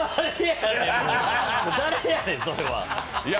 誰やねん、それは。